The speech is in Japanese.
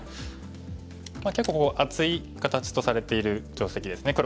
結構ここ厚い形とされている定石ですね。